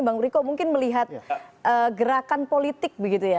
bang riko mungkin melihat gerakan politik begitu ya